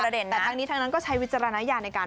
แต่ทั้งนี้ทั้งนั้นก็ใช้วิจารณญาณในการ